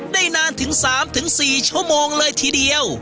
ได้นานถึง๓๔ชั่วโมงเลยทีเดียว